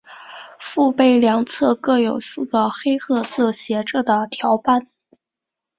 腹背两侧各有四个黑褐色斜着的条斑。